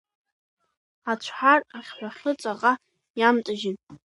Ацәҳар ахьҳәаны ҵаҟа иамҵажьын.